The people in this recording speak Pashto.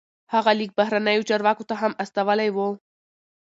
هغه لیک بهرنیو چارواکو ته هم استولی و.